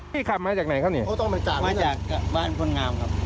พี่ขับมาจากไหนข้างนี้ต้องไปจับมาจากบ้านคุณงามครับ